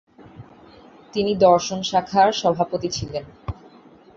তিনি দর্শন শাখার সভাপতি ছিলেন।